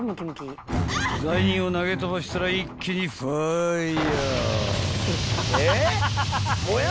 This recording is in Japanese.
［罪人を投げ飛ばしたら一気にファイヤー］